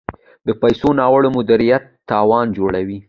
د پیسو ناوړه مدیریت تاوان جوړوي.